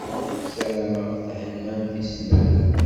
Sarameɣ thennamt i snat.